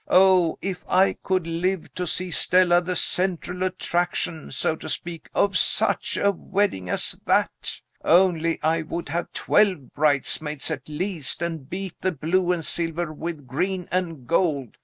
Oh, if I could live to see Stella the central attraction, so to speak, of such a wedding as that. Only I would have twelve bridesmaids at least, and beat the blue and silver with green and gold.